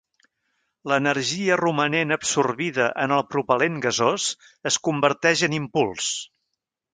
L'energia romanent absorbida en el propelent gasós es converteix en impuls.